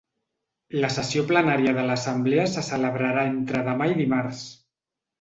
La sessió plenària de l’assemblea se celebrarà entre demà i dimarts.